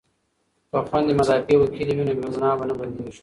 که خویندې مدافع وکیلې وي نو بې ګناه به نه بندیږي.